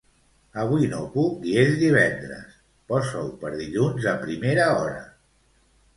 Avui no puc i és divendres, posa-ho per dilluns a primera hora.